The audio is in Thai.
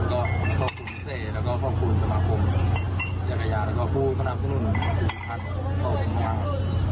และก็ขอบคุณพิเศษและก็ขอบคุณสมาคมจากกระยานและก็ผู้สนับสนุนผู้ผลิตภัณฑ์โฟสิสมัง